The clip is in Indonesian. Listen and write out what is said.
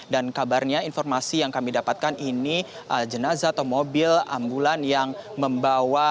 dan kabarnya informasi yang kami dapatkan ini jenazah atau mobil ambulan yang membawa